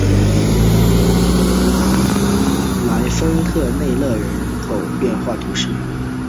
莱丰特内勒人口变化图示